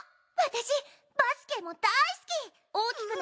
私バスケも大好き。